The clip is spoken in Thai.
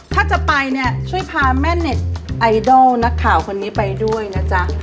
ถ้าจะไปเนี่ยช่วยพาแม่เน็ตไอดอลนักข่าวคนนี้ไปด้วยนะจ๊ะ